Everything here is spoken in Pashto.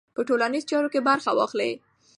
په ټولنیزو چارو کې برخه واخلئ.